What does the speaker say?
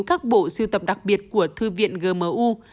các bộ siêu tập đặc biệt của thư viện gmu